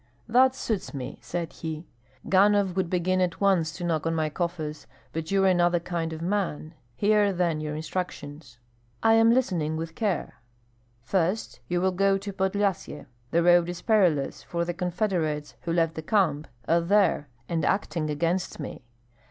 "That suits me," said he; "Ganhoff would begin at once to knock on my coffers, but you are another kind of man. Hear, then, your instructions." "I am listening with care." "First, you will go to Podlyasye. The road is perilous; for the confederates, who left the camp, are there and acting against me.